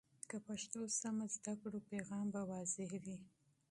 که پښتو صحیح زده کړو، پیغام به واضح وي.